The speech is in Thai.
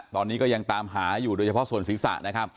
ตอนนี้ก็ยังตามหาอยู่โดยเฉพาะส่วนศีรษะนะครับ